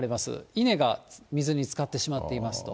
稲が水につかってしまっていますと。